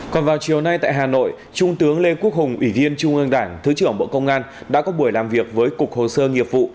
còn vào chiều nay tại hà nội trung tướng lê quốc hùng ủy viên trung ương đảng thứ trưởng bộ công an đã có buổi làm việc với cục hồ sơ nghiệp vụ